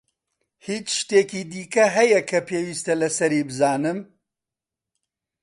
هیچ شتێکی دیکە هەیە کە پێویستە لەسەری بزانم؟